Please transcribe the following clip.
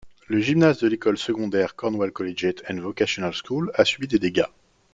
Le gymnase de l'école secondaire Cornwall Collegiate and Vocational School a subi des dégâts.